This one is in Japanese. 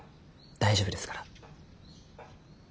大丈夫ですから。